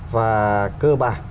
và cơ bản